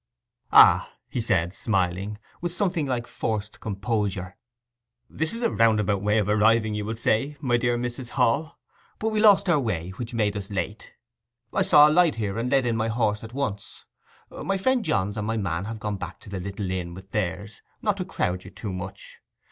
'Ah!' he said, smiling—with something like forced composure—'this is a roundabout way of arriving, you will say, my dear Mrs. Hall. But we lost our way, which made us late. I saw a light here, and led in my horse at once—my friend Johns and my man have gone back to the little inn with theirs, not to crowd you too much.